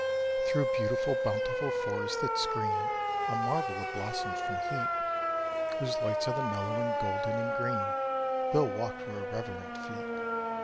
Through beautiful, bountiful forests that screen A marvel of blossoms from heat Whose lights are the mellow and golden and green Bill walks with irreverent feet.